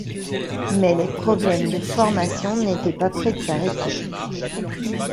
Mais les problèmes de formation n'étaient pas près de s'arrêter.